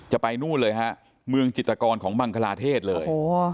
ไปนู่นเลยฮะเมืองจิตกรของบังคลาเทศเลย